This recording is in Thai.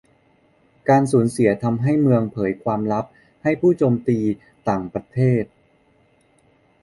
การสูญเสียทำให้เมืองเผยความลับให้ผู้โจมตีต่างประเทศ